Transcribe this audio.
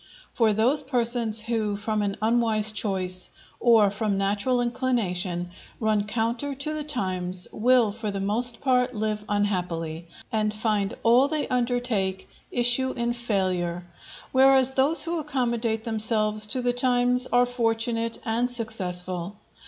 For those persons who from an unwise choice, or from natural inclination, run counter to the times will for the most part live unhappily, and find all they undertake issue in failure; whereas those who accommodate themselves to the times are fortunate and successful.